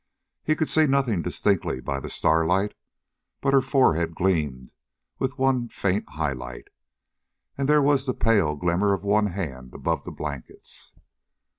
He could see nothing distinctly by the starlight, but her forehead gleamed with one faint highlight, and there was the pale glimmer of one hand above the blankets.